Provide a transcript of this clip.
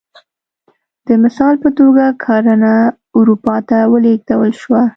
د مثال په توګه کرنه اروپا ته ولېږدول شوه